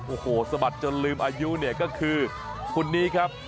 โอ้โหสะบัดจนลืมอายุเนี่ยก็คือคนนี้ครับ